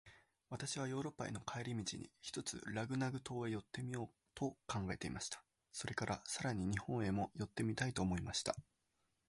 私はヨーロッパへの帰り途に、ひとつラグナグ島へ寄ってみようと考えていました。それから、さらに日本へも寄ってみたいと思いました。